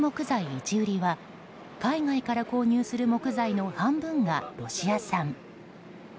材市売は海外から購入する木材の半分がロシア産。